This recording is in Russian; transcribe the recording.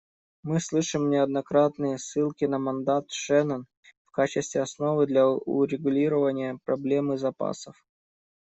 Мы слышим неоднократные ссылки на мандат Шеннон в качестве основы для урегулирования проблемы запасов.